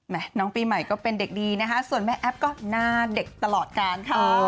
น้องปีใหม่ก็เป็นเด็กดีนะคะส่วนแม่แอ๊บก็หน้าเด็กตลอดการค่ะ